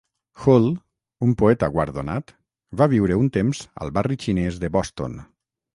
Hull, un poeta guardonat, va viure un temps al barri xinès de Boston.